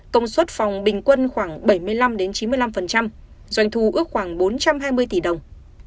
công suất phòng bình quân khoảng bảy mươi năm chín mươi năm doanh thu ước khoảng bốn trăm hai mươi tỷ đồng